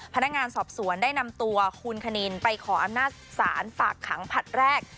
พนักงานสอบสวนได้นำตัวคุณคณินไปขออำนาจศาลฝากขังผลัดแรก